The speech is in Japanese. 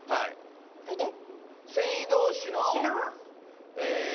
それで？え。